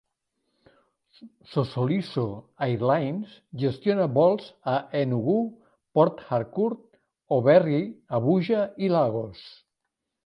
Sosoliso Airlines gestiona vols a Enugu, Port Harcourt, Owerri, Abuja i Lagos.